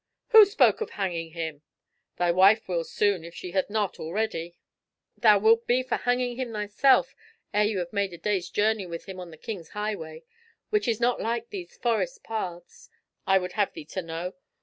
"Who spoke of hanging him!" "Thy wife will soon, if she hath not already." "Thou wilt be for hanging him thyself ere thou have made a day's journey with him on the king's highway, which is not like these forest paths, I would have thee to know.